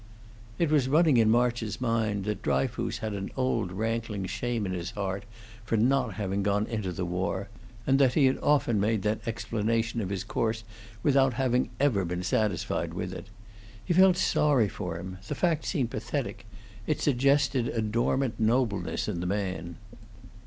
It was running in March's mind that Dryfoos had an old rankling shame in his heart for not having gone into the war, and that he had often made that explanation of his course without having ever been satisfied with it. He felt sorry for him; the fact seemed pathetic; it suggested a dormant nobleness in the man.